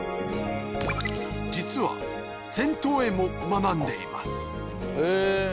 実は銭湯絵も学んでいますへぇ。